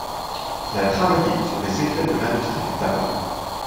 Il a travaillé sur les effets de l'industrie du tabac.